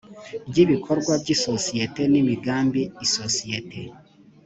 ry ibikorwa by isosiyete n imigambi isosiyete